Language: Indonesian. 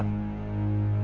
tidak ada apa apa